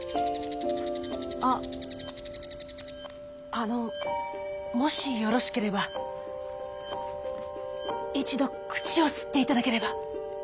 あのもしよろしければ一度口を吸って頂ければ！